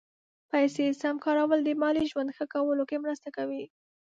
پیسې سم کارول د مالي ژوند ښه کولو کې مرسته کوي.